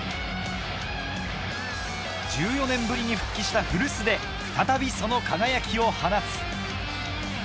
１４年ぶりに復帰した古巣で再びその輝きを放つ。